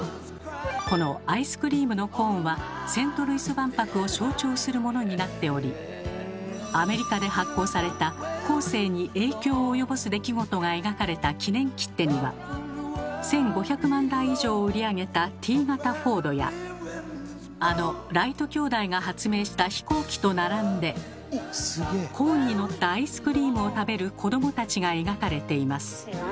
このアイスクリームのコーンはセントルイス万博を象徴するものになっておりアメリカで発行された「後世に影響を及ぼす出来事」が描かれた記念切手には１，５００万台以上を売り上げたＴ型フォードやあのライト兄弟が発明した飛行機と並んでコーンにのったアイスクリームを食べる子供たちが描かれています。